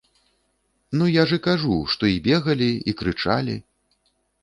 Ну, я ж і кажу, што і бегалі, і крычалі.